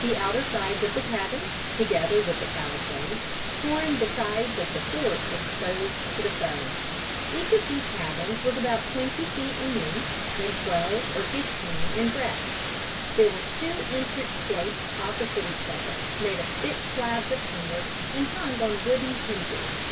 The outer sides of the cabins, together with the palisades, formed the sides of the fort exposed to the foe. Each of these cabins was about twenty feet in length and twelve or fifteen in breadth. There were two entrance gates opposite each other, made of thick slabs of timber, and hung on wooden hinges.